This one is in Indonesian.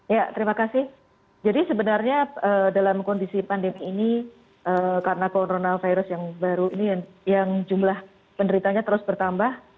ya terima kasih jadi sebenarnya dalam kondisi pandemi ini karena coronavirus yang baru ini yang jumlah penderitanya terus bertambah